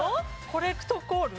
コレクトコール？